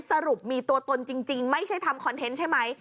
สรุปมีตัวตนจริงไม่ใช่ทำคอนเทนต์ใช่ไหม